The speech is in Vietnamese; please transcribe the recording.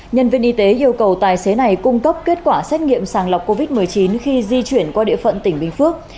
nhân viên y tế yêu cầu tài xế này cung cấp kết quả xét nghiệm sàng lọc covid một mươi chín khi di chuyển qua địa phận tỉnh bình phước